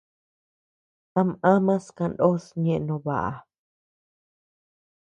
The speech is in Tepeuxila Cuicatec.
Am amas kanós ñeʼe no baʼa.